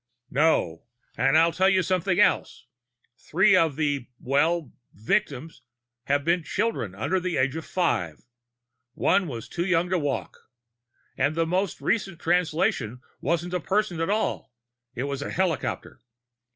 "No. And I'll tell you something else. Three of the well, victims have been children under the age of five. One was too young to walk. And the most recent Translation wasn't a person at all. It was a helicopter.